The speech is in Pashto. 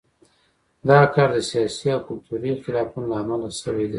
دا کار د سیاسي او کلتوري اختلافونو له امله شوی دی.